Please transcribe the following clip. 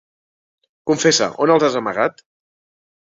Confessa: on els has amagat?